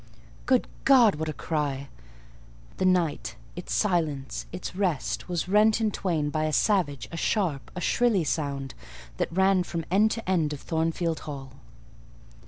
Good God! What a cry! The night—its silence—its rest, was rent in twain by a savage, a sharp, a shrilly sound that ran from end to end of Thornfield Hall.